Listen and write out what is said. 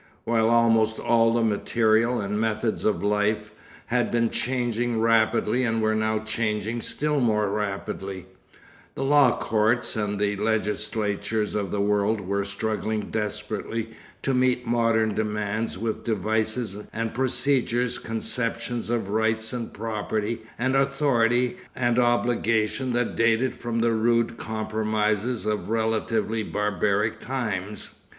While almost all the material and methods of life had been changing rapidly and were now changing still more rapidly, the law courts and the legislatures of the world were struggling desperately to meet modern demands with devices and procedures, conceptions of rights and property and authority and obligation that dated from the rude compromises of relatively barbaric times.